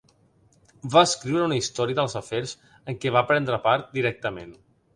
Va escriure una història dels afers en què va prendre part directament.